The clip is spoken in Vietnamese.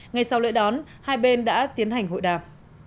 ngay sau lễ đón hai bên đã tiến hành hội đàm